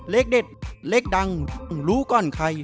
เลขเด็ดเลขดังรู้ก่อนใคร